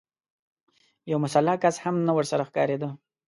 يو مسلح کس هم نه ورسره ښکارېده.